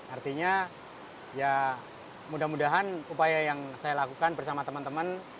artinya ya mudah mudahan upaya yang saya lakukan bersama teman teman